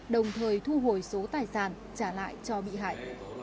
đồng thời thu hồi số tài sản trả lại cho bị hại